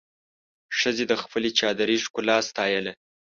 ښځې د خپلې چادري ښکلا ستایله.